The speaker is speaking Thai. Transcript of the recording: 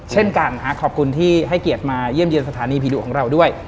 เช่นกันขอบคุณที่ให้เกียรติมาเยี่ยมเยี่ยมสถานีผีดุของเราด้วย